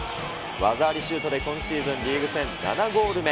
技ありシュートで今シーズンリーグ戦７ゴール目。